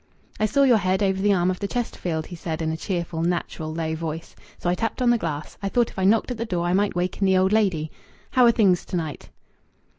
"I saw your head over the arm of the Chesterfield," he said in a cheerful, natural low voice. "So I tapped on the glass. I thought if I knocked at the door I might waken the old lady. How are things to night?"